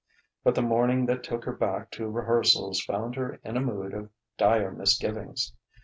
But the morning that took her back to rehearsals found her in a mood of dire misgivings.